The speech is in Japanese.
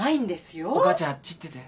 お母ちゃんあっち行ってて。